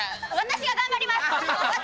私が頑張ります。